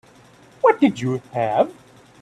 What did you have?